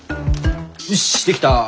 よしできた！